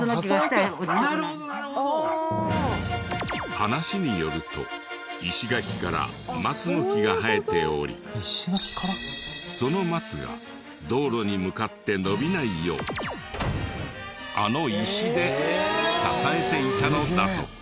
話によると石垣から松の木が生えておりその松が道路に向かって伸びないようあの石で支えていたのだとか。